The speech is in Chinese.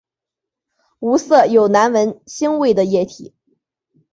无色有难闻腥味的液体。